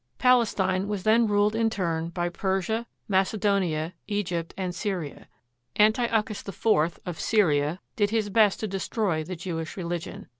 Palestine was then ruled in turn by Persia, Macedonia, Egypt, and Syria. Antiochus IV of Syria did his best to destroy the Jewish religion.